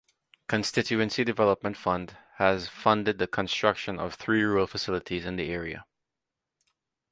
Constituency development fund has funded the construction of three rural facilities in the area.